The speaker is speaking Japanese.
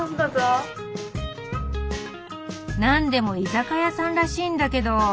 なんでも居酒屋さんらしいんだけど。